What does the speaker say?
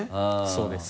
そうです。